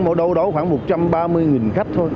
ở đâu đó khoảng một trăm ba mươi khách thôi